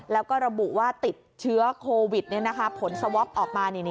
แล้วก็ระบุว่าติดเชื้อโควิดผลสวอปออกมา